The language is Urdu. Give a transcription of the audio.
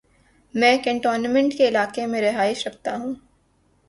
میں کینٹونمینٹ کے علاقے میں رہائش رکھتا ہوں۔